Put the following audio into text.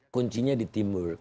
kuncinya di timur